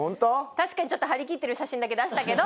確かにちょっと張り切ってる写真だけ出したけど。